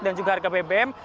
dan juga harga bbm